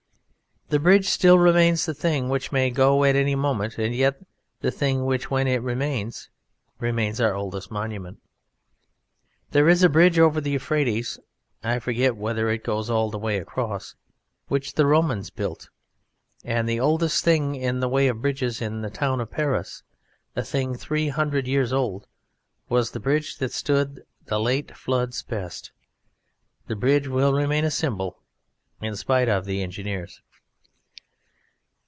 The bridge still remains the thing which may go at any moment and yet the thing which, when it remains, remains our oldest monument. There is a bridge over the Euphrates I forget whether it goes all the way across which the Romans built. And the oldest thing in the way of bridges in the town of Paris, a thing three hundred years old, was the bridge that stood the late floods best. The bridge will remain a symbol in spite of the engineers.